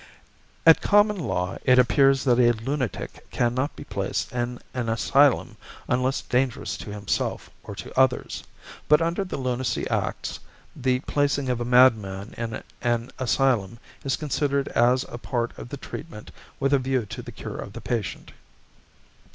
At common law it appears that a lunatic cannot be placed in an asylum unless dangerous to himself or to others, but under the Lunacy Acts the placing of a madman in an asylum is considered as a part of the treatment with a view to the cure of the patient.